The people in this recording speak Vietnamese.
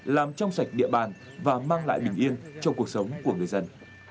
làm trong sạch địa bàn và mang lại bình yên trong cuộc sống của người dân